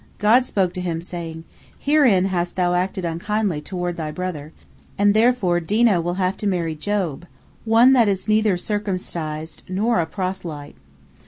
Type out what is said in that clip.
God spoke to him, saying: "Herein hast thou acted unkindly toward thy brother, and therefore Dinah will have to marry Job, one that is neither circumcised nor a proselyte.